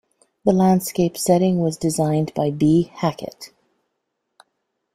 The landscape setting was designed by B. Hackett.